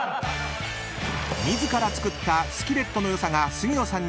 ［自ら作ったスキレットの良さが杉野さんに伝わるのか？］